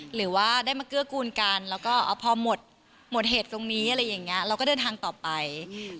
หรือว่าได้มาเกื้อกูลกันแล้วพอหมดเหตุตรงนี้เราก็เดินทางต่อไป